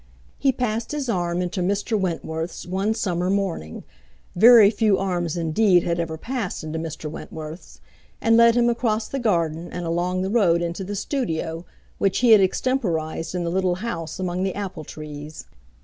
He passed his arm into Mr. Wentworth's one summer morning—very few arms indeed had ever passed into Mr. Wentworth's—and led him across the garden and along the road into the studio which he had extemporized in the little house among the apple trees.